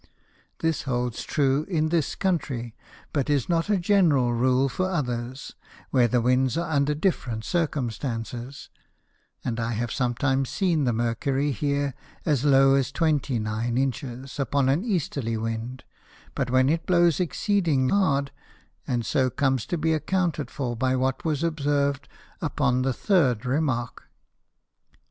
This holds true in this Country, but is not a general Rule for others, where the Winds are under different Circumstances; and I have sometimes seen the Mercury here as low as twenty nine Inches, upon an Easterly Wind, but then it blows exceeding hard, and so comes to be accounted for by what was observ'd upon the third Remark.